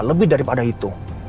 lebih daripada itu